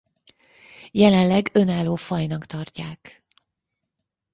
Jelenleg önálló fajnak tartják.